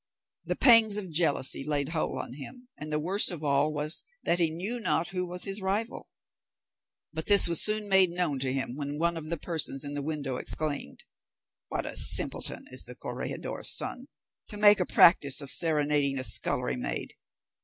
The pangs of jealousy laid hold on him, and the worst of all was, that he knew not who was his rival. But this was soon made known to him when one of the persons at the window exclaimed, "What a simpleton is the corregidor's son, to make a practice of serenading a scullery maid.